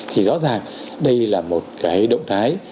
thì rõ ràng đây là một cái động thái